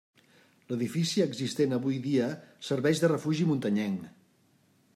L'edifici existent avui dia serveix de refugi muntanyenc.